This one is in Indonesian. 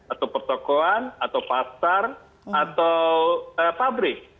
atau pertokoan atau pasar atau pabrik